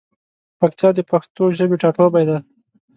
پکتیا د پښتو ژبی ټاټوبی دی.